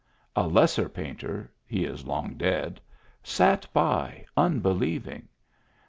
A lesser painter (he is long dead) sat by, unbelieving.